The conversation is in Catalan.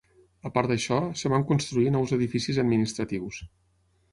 A part d'això, es van construir nous edificis administratius.